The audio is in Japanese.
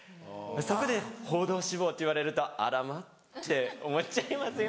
そこで「報道志望」って言われると「あらま」って思っちゃいますよね。